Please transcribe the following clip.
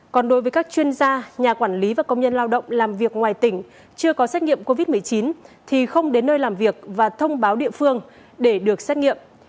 còn đối với các chuyên gia nhà quản lý và công nhân lao động làm việc ngoài tỉnh chưa có xét nghiệm covid một mươi chín thì không đến nơi làm việc và thông báo địa phương để được xét nghiệm